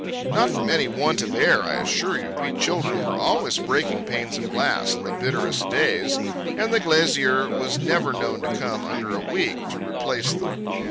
Not from any want of air, I assure you, we children were always breaking panes of glass on the bitterest days, and the glazier was never known to come under a week to replace them.